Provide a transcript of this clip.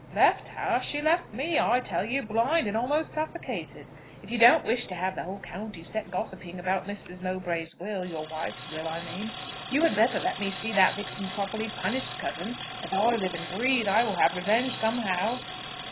"Left her? She left me, I tell you, blind, and almost suffocated. If you don't wish to have the whole county set gossiping about Mrs. Mowbray's will your wife's will I mean, you had better let me see that vixen properly punished, cousin. As I live and breathe I will have revenge somehow."